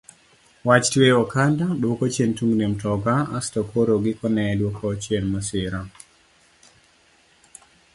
Wach tweyo okanda duoko chien tungni e mtoka asto koro gikone duoko chien masira.